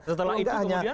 setelah itu kemudian